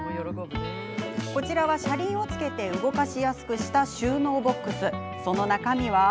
こちらは車輪を付けて動かしやすくした収納ボックス。